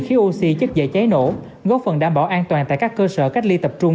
khí oxy chất dễ cháy nổ góp phần đảm bảo an toàn tại các cơ sở cách ly tập trung